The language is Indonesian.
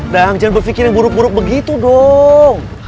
jangan berpikir yang buruk buruk begitu dong